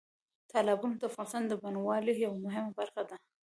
تالابونه د افغانستان د بڼوالۍ یوه مهمه برخه ده.